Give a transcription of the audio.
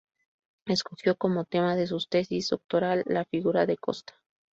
Escogió como tema de su tesis doctoral la figura de Costa.